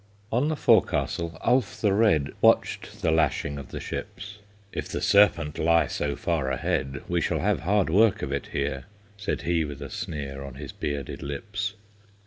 On the forecastle Ulf the Red Watched the lashing of the ships; "If the Serpent lie so far ahead, We shall have hard work of it here," Said he with a sneer On his bearded lips.